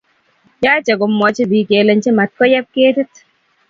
Yache komwachi pikkelejin mat koyeb ketik